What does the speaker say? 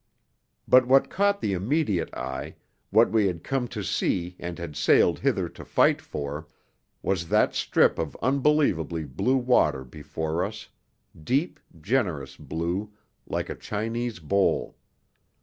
But what caught the immediate eye, what we had come to see and had sailed hither to fight for, was that strip of unbelievably blue water before us, deep, generous blue, like a Chinese bowl.